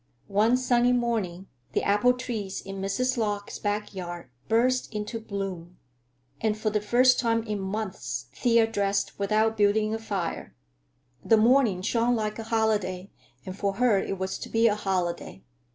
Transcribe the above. One sunny morning the apple trees in Mrs. Lorch's back yard burst into bloom, and for the first time in months Thea dressed without building a fire. The morning shone like a holiday, and for her it was to be a holiday.